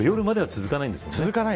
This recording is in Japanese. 続かないですね。